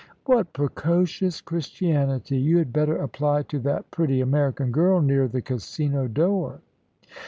"What precocious Christianity! You had better apply to that pretty American girl near the Casino door."